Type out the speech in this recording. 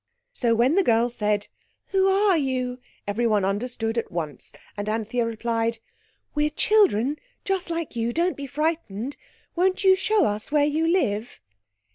So when the girl said, "Who are you?" everyone understood at once, and Anthea replied— "We are children—just like you. Don't be frightened. Won't you show us where you live?"